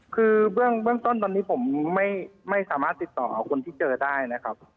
คือเบื้องต้นตอนนี้ผมไม่สามารถติดต่อคนที่เจอได้นะครับ